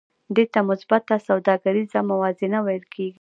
دې ته مثبته سوداګریزه موازنه ویل کېږي